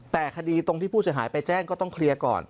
แต่คดีตรงที่ผู้เสียหายไปแจ้งก็ต้องเคลียร์ก่อน